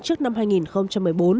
trước năm hai nghìn một mươi bốn